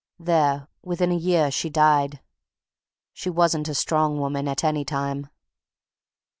There, within a year, she died. She wasn't a strong woman at any time.